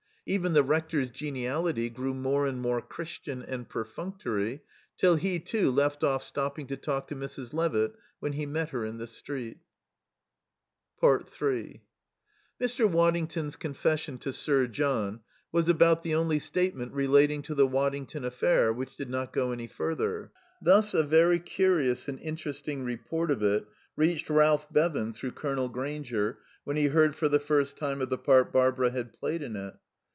Even the Rector's geniality grew more and more Christian and perfunctory, till he too left off stopping to talk to Mrs. Levitt when he met her in the street. 3 Mr. Waddington's confession to Sir John was about the only statement relating to the Waddington affair which did not go any further. Thus a very curious and interesting report of it reached Ralph Bevan through Colonel Grainger, when he heard for the first time of the part Barbara had played in it.